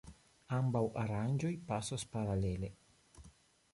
Ambaŭ aranĝoj pasos paralele.